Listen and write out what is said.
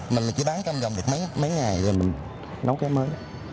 mình chỉ bán trong vòng mấy mấy ngày rồi mình nấu cái mới